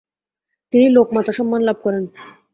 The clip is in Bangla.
তিনি 'লোকমাতা' সম্মান লাভ করেন।